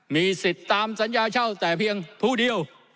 มีสิทธิ์ตามสัญญาเช่าแต่เพียงผู้เดียว